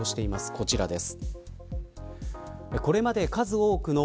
こちらです。